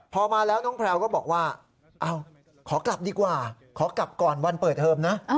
พอมาแล้วน้องแพลวก็บอกว่าขอกลับดีกว่าขอกลับก่อนวันเปิดเทอมนะ